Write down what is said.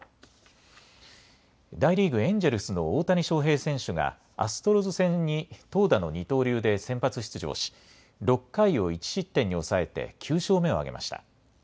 大リーグ・エンジェルスの大谷翔平選手が、アストロズ戦に投打の二刀流で先発出場し、６回を１失点に抑えて９勝目を挙げました。